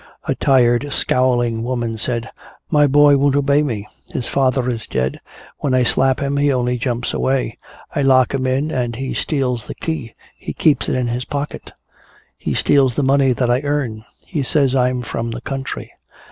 A tired scowling woman said, "My boy won't obey me. His father is dead. When I slap him he only jumps away. I lock him in and he steals the key, he keeps it in his pocket. He steals the money that I earn. He says I'm from the country."